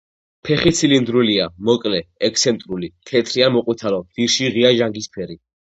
ფეხი ცილინდრულია, მოკლე, ექსცენტრული, თეთრი ან მოყვითალო, ძირში ღია ჟანგისფერი.